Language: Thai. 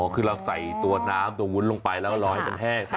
อ๋อคือเราใส่ตัวน้ำตัววุ้นลงไปแล้วรอให้แห้งค่ะ